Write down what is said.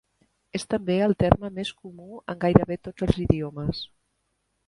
És també el terme més comú en gairebé tots els idiomes.